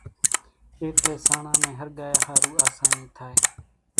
اٽلي سانڻان نين ۿرڳايا ۿارُو آساني ٿائي۔